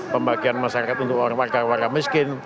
pembagian masyarakat untuk warga warga miskin